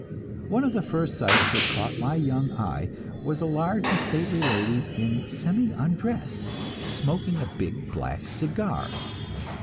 One of the first sights that caught my young eye was a large and stately lady in semi undress, smoking a big black cigar.